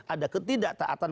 ada ketidak taatan